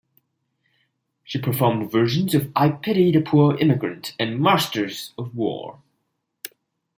She performed versions of "I Pity the Poor Immigrant" and "Masters of War.